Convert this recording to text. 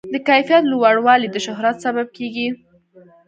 د کیفیت لوړوالی د شهرت سبب کېږي.